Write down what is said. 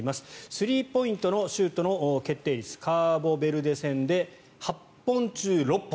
スリーポイントのシュートの決定率カーボベルデ戦で８本中６本。